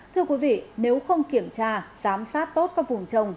thưa quý vị nếu không kiểm tra giám sát tốt các vùng trồng